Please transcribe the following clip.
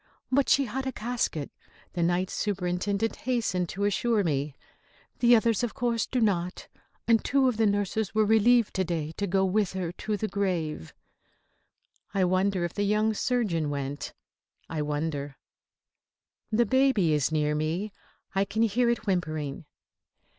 "But she had a casket," the Night Superintendent hastened to assure me. "The others, of course, do not. And two of the nurses were relieved to day to go with her to the grave." I wonder if the young surgeon went. I wonder The baby is near me. I can hear it whimpering.